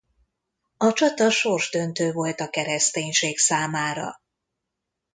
A csata sorsdöntő volt a kereszténység számára.